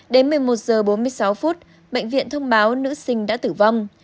đến một mươi một h bốn mươi sáu phút bệnh viện thông báo nữ sinh đã tử vong